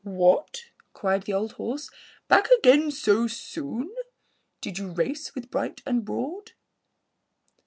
"What!" cried the old horse. "Back again so soon? Did you race with Bright and Broad?"